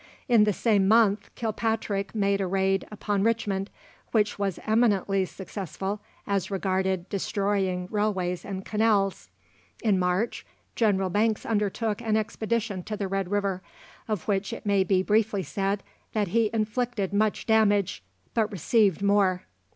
In the same month, Kilpatrick made a raid upon Richmond, which was eminently successful as regarded destroying railways and canals. In March, General Banks undertook an expedition to the Red River, of which it may be briefly said that he inflicted much damage, but received more.